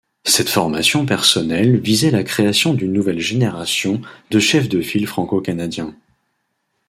Cette formation personnelle visait la création d'une nouvelle génération de chefs de file franco-canadiens.